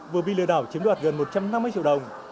vừa bị lừa đảo chiếm đoạt gần một trăm năm mươi triệu đồng